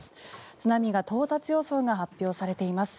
津波の到達予想が発表されています。